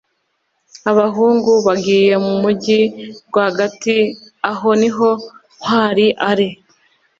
abahungu bagiye mu mujyi rwagati aho niho ntwali ari